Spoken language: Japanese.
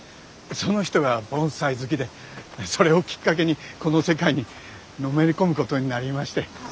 その人が盆栽好きでそれをきっかけにこの世界にのめり込むことになりまして。